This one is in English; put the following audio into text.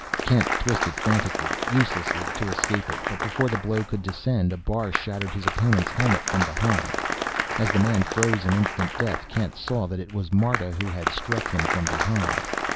Kent twisted frantically, uselessly, to escape it, but before the blow could descend a bar shattered his opponent's helmet from behind. As the man froze in instant death Kent saw that it was Marta who had struck him from behind.